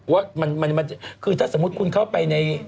ว่ามันคือถ้าสมมุติคุณเข้าไปใน